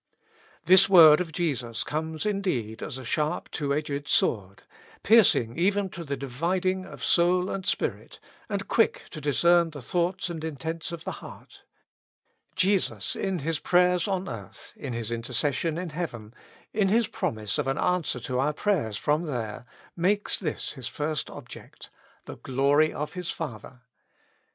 ^ This word of Jesus comes indeed as a sharp two edged sword, piercing even to the dividing of sou and spirit, and quick to discern the thoughts and intents of the heart. Jesus in His prayers on earth, in His intercession in heaven, in His promise of an answer to our prayers from there, makes this His first object — the glory of His Father.